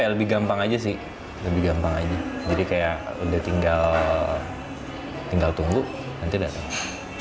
ya lebih gampang aja sih lebih gampang aja jadi kayak udah tinggal tunggu nanti datang